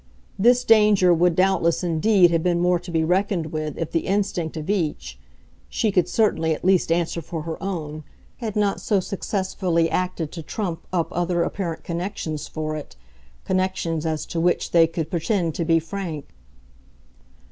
This danger would doubtless indeed have been more to be reckoned with if the instinct of each she could certainly at least answer for her own had not so successfully acted to trump up other apparent connexions for it, connexions as to which they could pretend to be frank.